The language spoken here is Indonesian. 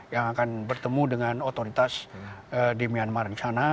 yang akan bertemu dengan otoritas di myanmar di sana